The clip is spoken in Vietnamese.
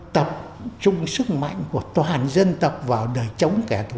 tập trung sức mạnh của toàn dân tộc vào đời chống kẻ thù